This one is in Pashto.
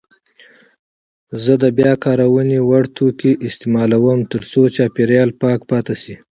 زه د بیاکارونې وړ توکي استعمالوم ترڅو چاپیریال پاک پاتې شي.